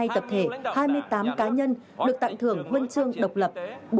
ba mươi hai tập thể hai mươi tám cá nhân được tặng thưởng huân chương độc lập